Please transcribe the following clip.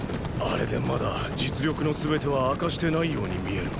あれでまだ実力の全ては明かしてないように見える。